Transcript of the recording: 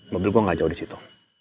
mobil gue gak jauh disitu